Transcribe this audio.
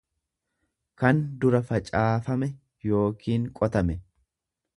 kan dura facaafame yookiin qotame.